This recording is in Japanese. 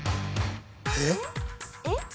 えっ？えっ？